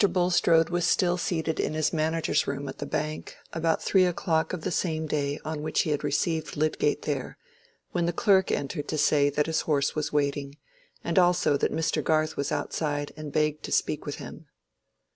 Bulstrode was still seated in his manager's room at the Bank, about three o'clock of the same day on which he had received Lydgate there, when the clerk entered to say that his horse was waiting, and also that Mr. Garth was outside and begged to speak with him.